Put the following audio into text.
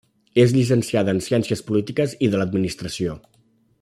És llicenciada en Ciències Polítiques i de l'Administració.